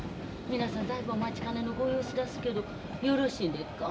皆さんだいぶお待ちかねのご様子だすけどよろしいんでっか？